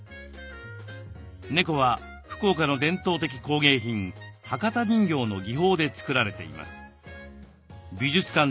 猫は福岡の伝統的工芸品「博多人形」の技法で作られています。